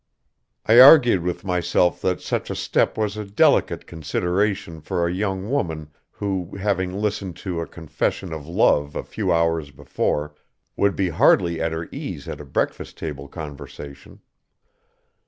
I argued with myself that such a step was a delicate consideration for a young woman, who, having listened to a confession of love a few hours before, would be hardly at her ease at a breakfast table conversation.